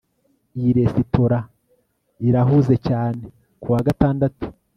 iyi resitora irahuze cyane kuwa gatandatu